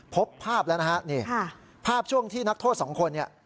พบภาพแล้วนะฮะภาพช่วงที่นักโทษ๒คน